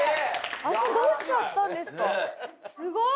足どうしちゃったんですかすごい！